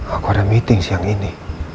aku ada meeting siang ini